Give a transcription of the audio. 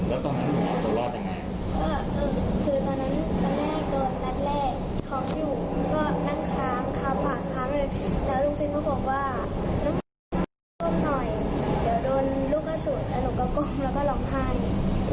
แล้วหนูก็กรมแล้วก็ร้องไพ